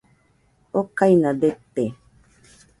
okaina dete